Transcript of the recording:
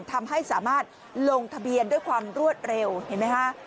ทำให้สามารถลงทะเบียนด้วยความรวดเร็วเห็นไหมฮะ